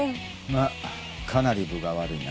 まあかなり分が悪いな。